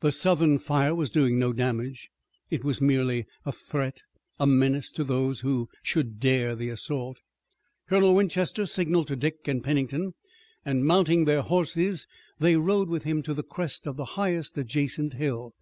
The Southern fire was doing no damage. It was merely a threat, a menace to those who should dare the assault. Colonel Winchester signalled to Dick and Pennington, and mounting their horses they rode with him to the crest of the highest adjacent hill.